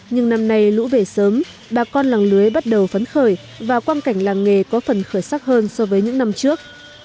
nhưng năm nay lũ về sớm bà con làng lưới bắt đầu phấn khởi và quan cảnh làng nghề có phần khởi sắc hơn so với những năm trước